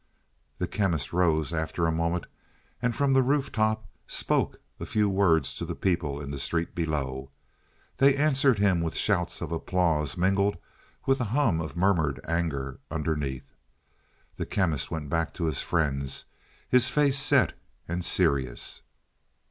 The Chemist rose after a moment and from the roof top spoke a few words to the people in the street below. They answered him with shouts of applause mingled with a hum of murmured anger underneath. The Chemist went back to his friends, his face set and serious.